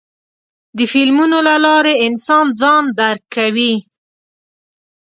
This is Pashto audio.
د فلمونو له لارې انسان ځان درکوي.